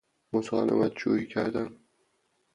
مسالمت جوئی کردن